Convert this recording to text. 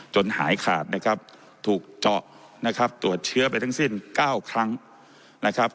หายขาดนะครับถูกเจาะนะครับตรวจเชื้อไปทั้งสิ้น๙ครั้งนะครับ